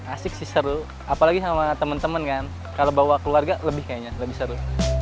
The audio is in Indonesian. asik sih seru apalagi sama teman teman kan kalau bawa keluarga lebih kayaknya lebih seru